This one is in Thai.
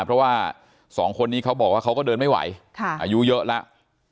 เพราะว่าสองคนนี้เขาบอกว่าเขาก็เดินไม่ไหวอายุเยอะแล้ว